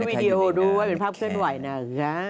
โหเป็นวีดีโอดูว่าเป็นภาพเพื่อนไหวนะครับ